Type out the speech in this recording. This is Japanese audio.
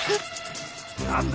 ・何だ？